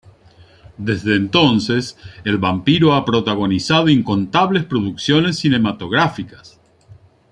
Desde entonces, el vampiro, ha protagonizado incontables producciones cinematográficas.